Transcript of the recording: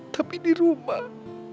tapi di rumah